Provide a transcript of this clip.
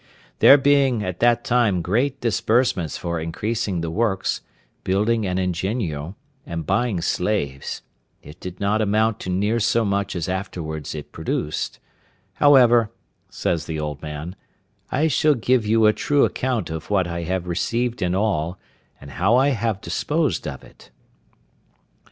There being at that time great disbursements for increasing the works, building an ingenio, and buying slaves, it did not amount to near so much as afterwards it produced; however," says the old man, "I shall give you a true account of what I have received in all, and how I have disposed of it."